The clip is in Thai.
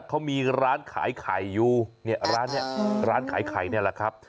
เขามีร้านขายไข่อยู่เนี่ยร้านนี้ร้านขายไข่นี่แหละครับ